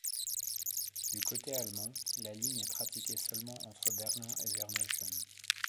Du côté allemand, la ligne est pratiquée seulement entre Berlin et Werneuchen.